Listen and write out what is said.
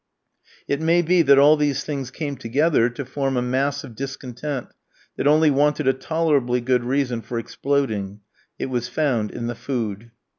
It may be that all these things came together to form a mass of discontent, that only wanted a tolerably good reason for exploding; it was found in the food.